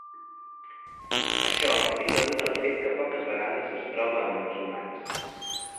Això és degut al fet que poques vegades es troba amb els humans.